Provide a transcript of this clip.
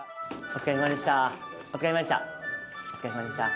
お疲れさまでした。